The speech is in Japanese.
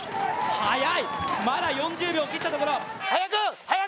速い、まだ４０秒を切ったところ。